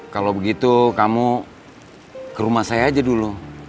kalau begitu kamu ke rumah saya aja dulu